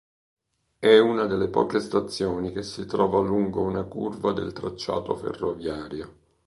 È una delle poche stazioni che si trova lungo una curva del tracciato ferroviario.